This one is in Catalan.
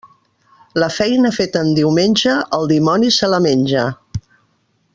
La feina feta en diumenge, el dimoni se la menja.